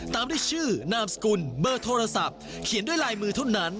ตามด้วยชื่อนามสกุลเบอร์โทรศัพท์เขียนด้วยลายมือเท่านั้น